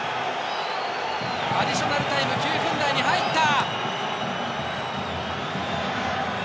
アディショナルタイム９分台に入った。